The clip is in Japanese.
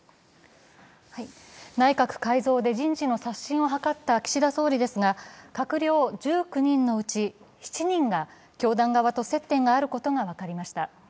内閣改造で人事の刷新を図った岸田総理ですが、閣僚１９人のうち７人が教団側と接点があることが分かりました。